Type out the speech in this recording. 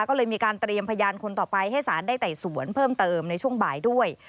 ก็เลยมีการเตรียมพยานคนต่อไปให้สารได้ไต่สวนเพิ่มเติมในช่วงบ่ายด้วย